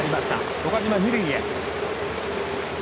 岡島、二塁へ。